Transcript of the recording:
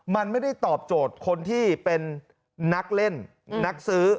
มันไม่ได้ตอบโจทย์คนที่เป็นนักเล่นนักซื้อ